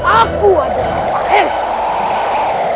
aku ada kemahiran